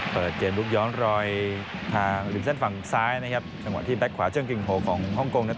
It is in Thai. เปิดเกมลุกย้อนรอยทางริมเส้นฝั่งซ้ายนะครับจังหวะที่แก๊กขวาเชิงกึ่งโหของฮ่องกงเนี่ย